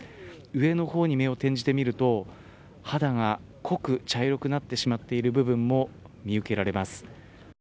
上の方に目を転じてみると肌が濃く、茶色くなってしまっている部分も見受けられます。